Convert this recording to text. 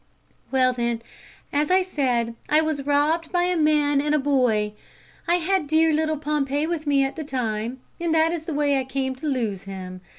"Well, then, as I said, I was robbed by a man and a boy. I had dear little Pompey with me at the time, and that is the way I came to lose him.